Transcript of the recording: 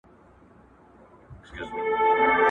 پر بل باندي ظلم مه کوئ.